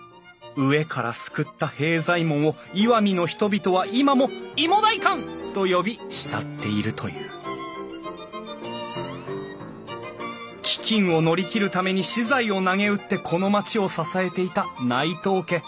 飢えから救った平左衛門を石見の人々は今もいも代官と呼び慕っているという飢饉を乗り切るために私財をなげうってこの町を支えていた内藤家。